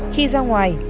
khi ra ngoài